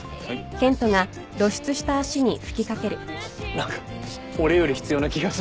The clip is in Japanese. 何か俺より必要な気がするけど。